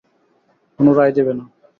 কোন রায় দেবে না।